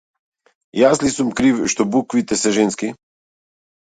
Јас ли сум крив што буквите се женски?